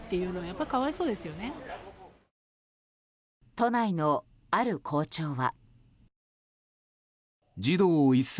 都内の、ある校長は。